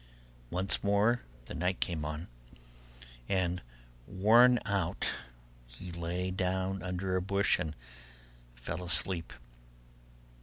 Once more the night came on, and worn out he lay down under a bush and fell asleep.